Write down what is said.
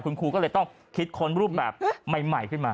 คุณครูก็เลยต้องคิดค้นรูปแบบใหม่ขึ้นมา